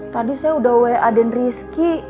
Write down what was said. tadi saya udah wa dan rizky